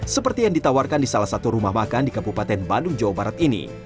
seperti yang ditawarkan di salah satu rumah makan di kabupaten bandung jawa barat ini